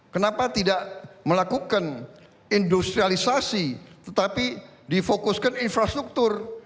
kenapa tidak melakukan industrialisasi tetapi difokuskan infrastruktur